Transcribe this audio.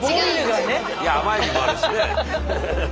いや甘エビもあるしね。